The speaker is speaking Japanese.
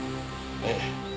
ええ。